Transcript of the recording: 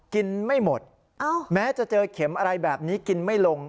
ไม่หมดแม้จะเจอเข็มอะไรแบบนี้กินไม่ลง